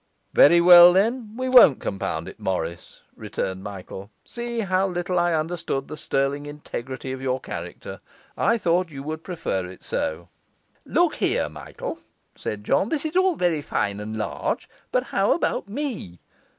'Very well, then, we won't compound it, Morris,' returned Michael. 'See how little I understood the sterling integrity of your character! I thought you would prefer it so.' 'Look here, Michael,' said John, 'this is all very fine and large; but how about me?